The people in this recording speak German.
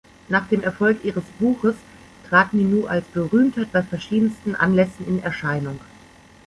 Nach dem Erfolg ihres Buches trat Minou als Berühmtheit bei verschiedensten Anlässen in Erscheinung.